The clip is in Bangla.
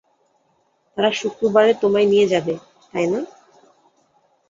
তারা শুক্রবারে তোমায় নিয়ে যাবে, তাই না?